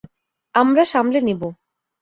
আমরা সামলে নিব।